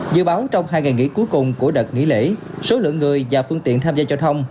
dự báo trong hai ngày nghỉ cuối cùng của đợt nghỉ lễ số lượng người và phương tiện tham gia giao thông